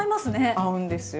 合うんですよ。